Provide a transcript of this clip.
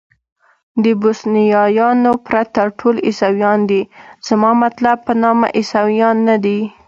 د بوسنیایانو پرته ټول عیسویان دي، زما مطلب په نامه عیسویان نه دي.